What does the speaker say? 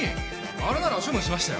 あれなら処分しましたよ。